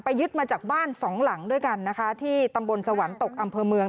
ยึดมาจากบ้านสองหลังด้วยกันนะคะที่ตำบลสวรรค์ตกอำเภอเมือง